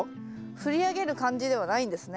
振り上げる感じではないんですね。